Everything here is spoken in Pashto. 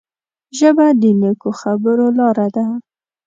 ژبه د نیکو خبرو لاره ده